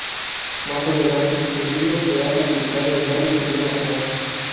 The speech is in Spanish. Más adelante, el libro se ha publicado en varios idiomas más.